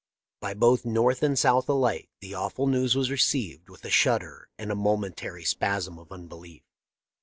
By both North and South alike the awful news was received with a shudder and a momentary spasm of unbelief.